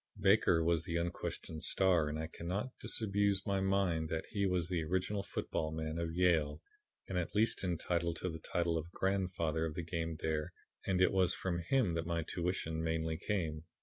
Baker was the unquestioned star and I cannot disabuse my mind that he was the original football man of Yale, and at least entitled to the title of 'grandfather' of the game there and it was from him that my tuition mainly came.